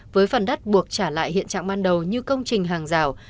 với phần đất buộc trả lại hiện trạng ban đầu như công trình hàng rào